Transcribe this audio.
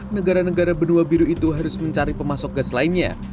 negara negara benua biru itu harus mencari pemasok gas lainnya